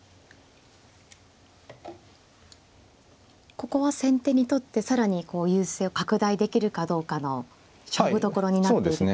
ここは先手にとって更に優勢を拡大できるかどうかの勝負どころになっていると。